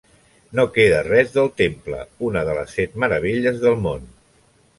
No queda res del temple, una de les set meravelles del món.